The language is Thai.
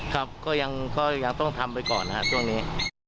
ครับก็ยังต้องทำไปก่อนนะครับช่วงนี้